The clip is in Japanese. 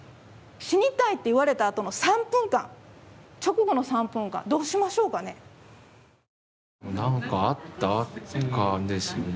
死にたいと言われたあとの３分間直後の３分間、どうしましょうかね何かあった？とかですよね。